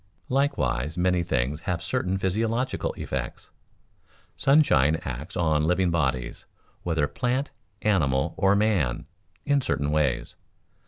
Likewise many things have certain physiological effects. Sunshine acts on living bodies, whether plant, animal, or man, in certain ways.